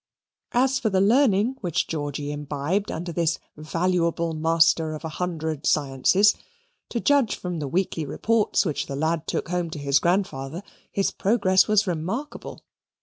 As for the learning which Georgy imbibed under this valuable master of a hundred sciences, to judge from the weekly reports which the lad took home to his grandfather, his progress was remarkable.